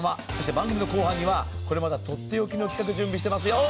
番組の後半には、これまたとっておきの企画準備してますよ。